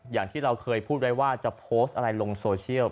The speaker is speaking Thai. อย่างที่เราเคยพูดไว้ว่าจะโพสต์อะไรลงโซเชียล